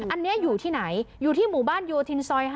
อันนี้อยู่ที่ไหนอยู่ที่หมู่บ้านโยธินซอย๕